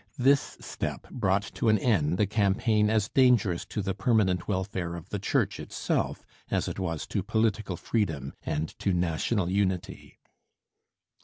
This step brought to an end a campaign as dangerous to the permanent welfare of the Church itself as it was to political freedom and to national unity.